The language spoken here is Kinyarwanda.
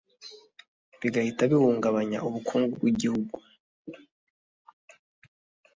bigahita bihungabanya ubukungu bw’igihugu